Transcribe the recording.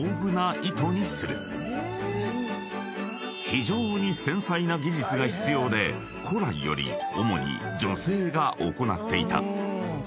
［非常に繊細な技術が必要で古来より主に女性が行っていた］